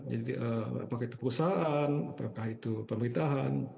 jadi apakah itu perusahaan apakah itu pemerintahan